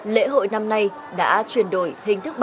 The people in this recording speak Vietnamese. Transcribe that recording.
lễ hội năm nay đã chuyển đổi hình thức thu phí